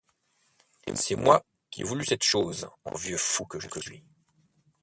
C'est moi qui ai voulu cette chose, en vieux fou que je suis.